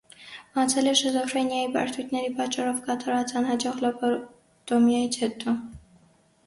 Մահացել է շիզոֆրենիայի բարդությունների պատճառով կատարված անհաջող լոբոտոմիայից հետո։